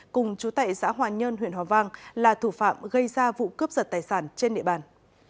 cùng chú tệ xã hòa nhơn huyện hòa vang là thủ phạm gây ra vụ cướp giật tài sản trên địa bàn